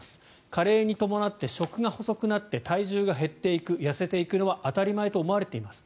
加齢に伴って食が細くなって体重が減っていく痩せていくのは当たり前と思われています。